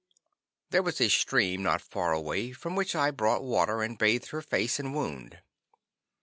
There was a stream not far away, from which I brought water and bathed her face and wound.